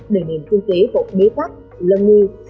để nền kinh tế bộ bế tắc lâm nghi